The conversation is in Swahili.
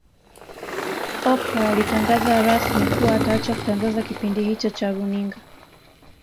Oprah alitangaza rasmi kuwa ataacha kutangaza kipindi hicho cha Runinga